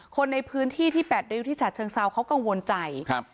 คนในพื้นที่ที่แปดริ้วที่ฉะเชิงเซาเขากังวลใจครับ